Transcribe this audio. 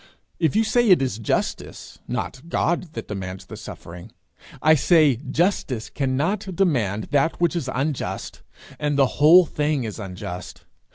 If you say it is justice, not God that demands the suffering, I say justice cannot demand that which is unjust, and the whole thing is unjust.